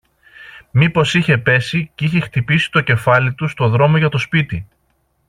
Μήπως είχε πέσει κι είχε χτυπήσει το κεφάλι του στο δρόμο για το σπίτι